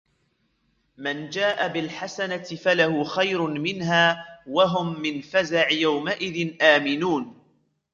من جاء بالحسنة فله خير منها وهم من فزع يومئذ آمنون